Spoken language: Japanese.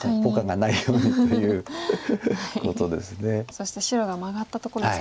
そして白がマガったところです。